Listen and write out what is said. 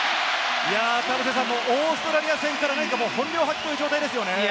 田臥さん、オーストラリア戦から本領発揮という状態ですよね。